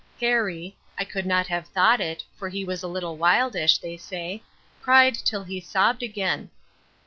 Harry (I could not have thought it; for he is a little wildish, they say) cried till he sobbed again.